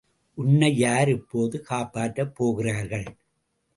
உன்னை யார் இப்போது காப்பாற்றப் போகிறார்கள்?